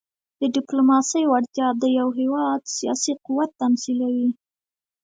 د ډيپلوماسۍ وړتیا د یو هېواد سیاسي قوت تمثیلوي.